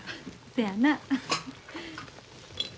そやな。